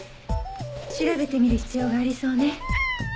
調べてみる必要がありそうね。